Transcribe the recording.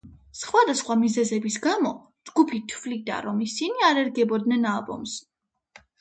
სხვადასხვა მიზეზის გამო, ჯგუფი თვლიდა, რომ ისინი არ ერგებოდნენ ალბომს.